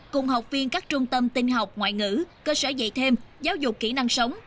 cùng học viên các trung tâm tinh học ngoại ngữ cơ sở dạy thêm giáo dục kỹ năng sống